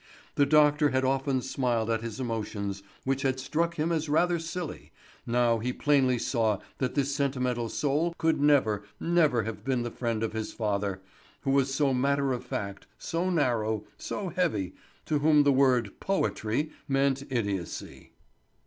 The doctor had often smiled at his emotions which had struck him as rather silly, now he plainly saw that this sentimental soul could never, never have been the friend of his father, who was so matter of fact, so narrow, so heavy, to whom the word "Poetry" meant idiocy.